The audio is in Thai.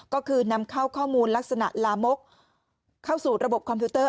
ก็คือนำเข้าข้อมูลลักษณะลามกเข้าสู่ระบบคอมพิวเตอร์